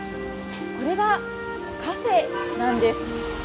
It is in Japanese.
これがカフェなんです。